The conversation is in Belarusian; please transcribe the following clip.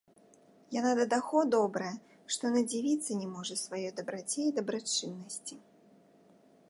Яна да таго добрая, што надзівіцца не можа сваёй дабраце і дабрачыннасці.